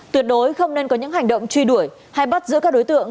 tuyệt đối không nên có những hành động truy đuổi hay bắt giữ các đối tượng